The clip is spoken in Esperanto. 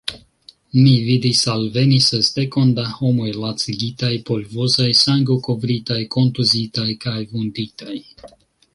Mi vidis alveni sesdekon da homoj lacigitaj, polvozaj, sangokovritaj, kontuzitaj kaj vunditaj.